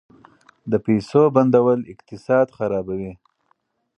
د پیسو بندول اقتصاد خرابوي.